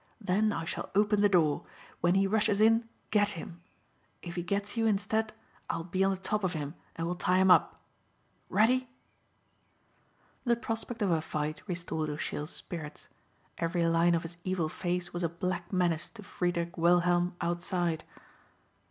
Then I shall open the door. When he rushes in get him. If he gets you instead I'll be on the top of him and we'll tie him up. Ready?" The prospect of a fight restored O'Sheill's spirits. Every line of his evil face was a black menace to Friedrich Wilhelm outside.